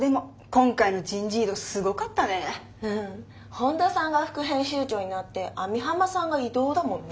本田さんが副編集長になって網浜さんが異動だもんね。